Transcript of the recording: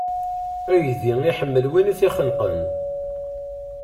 Aydi, iḥemmel win i t-ixenqen.